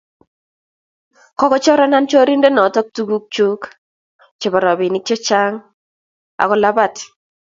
Kochorenan chorindet noto tuguk chuk chebo robinik chechang agolabat